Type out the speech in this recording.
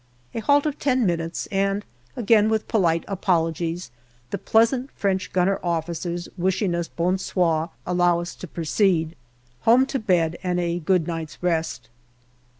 A halt of ten minutes, and, again with polite apologies, the pleasant French gunner officers, wishing us " Bon soir," allow us to proceed. Home to bed and a good night's rest.